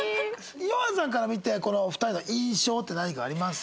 ヨンアさんから見てこの２人の印象って何かあります？